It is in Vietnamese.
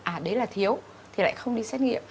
à đấy là thiếu thì lại không đi xét nghiệm